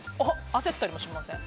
焦ったりもしません。